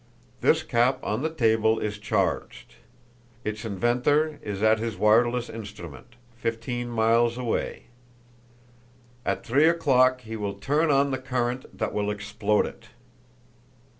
This cap on the table is charged; its inventor is at his wireless instrument, fifteen miles away. At three o'clock he will turn on the current that will explode it."